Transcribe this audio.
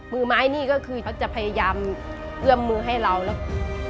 มือไม้นี่ก็คือเขาจะพยายามเอื้อมมือให้เราแล้ว